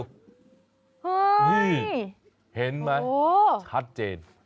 เฮ้ยนี่เห็นมั้ยชัดเจน